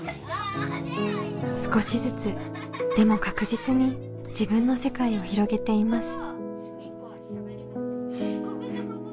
少しずつでも確実に自分の世界を広げています。